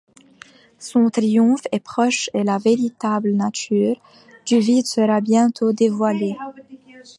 Son triomphe est proche et la véritable nature du Vide sera bientôt dévoilée.